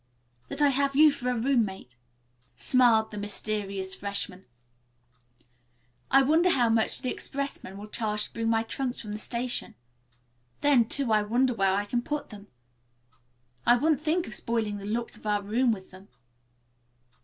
"That I have you for a roommate," smiled the mysterious freshman. "I wonder how much the expressman will charge to bring my trunks from the station. Then, too, I wonder where I can put them. I wouldn't think of spoiling the looks of our room with them."